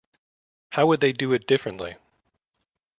How would they do it differently?